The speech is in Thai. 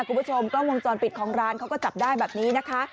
คุณผู้ชมกล้องวงจรปิดของร้านเขาก็จับได้แบบนี้นะคะ